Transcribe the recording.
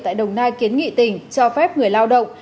tại đồng nai kiến nghị tỉnh cho phép người lao động